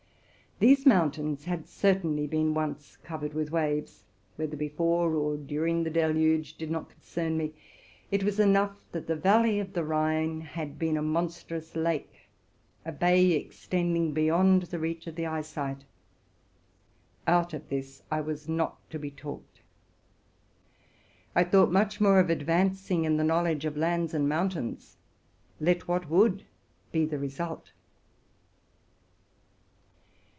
These mountains had certainly been once covered by waves, whether before or during the deluge did not concern me: it was enough that the valley of the Rhine had been a monstrous lake, a bay ex tending beyond the reach of the eyesight ; out of this I was not to be talked. I thought much more of advancing in the knowl edge of lands and mountains, let what would be the result.